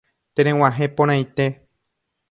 Tereg̃uahẽporãite